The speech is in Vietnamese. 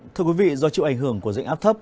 thưa quý vị do chịu ảnh hưởng của dạnh áp thấp